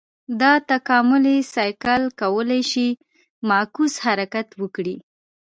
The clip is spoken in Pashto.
دا تکاملي سایکل کولای شي معکوس حرکت وکړي.